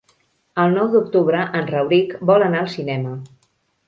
El nou d'octubre en Rauric vol anar al cinema.